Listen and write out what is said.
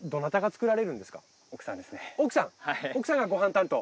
奥さんがご飯担当。